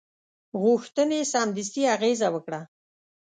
غوښتنې سمدستي اغېزه وکړه.